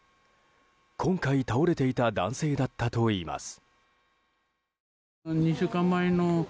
今回、倒れていた男性だったといいます。